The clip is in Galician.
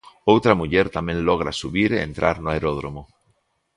Outra muller tamén logra subir e entrar no aeródromo.